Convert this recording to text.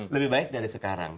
lebih baik dari sekarang